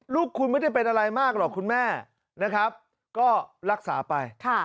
ลูกคุณไม่ได้เป็นอะไรมากหรอกคุณแม่นะครับก็รักษาไป